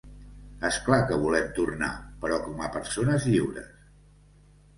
És clar que volem tornar, però com a persones lliures.